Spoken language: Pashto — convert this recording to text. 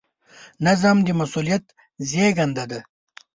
نظم د مسؤلیت زېږنده دی.